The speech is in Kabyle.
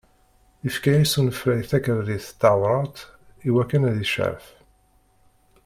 Ifka-yas unefray takarḍit tawraɣt i wakken ad icɛef.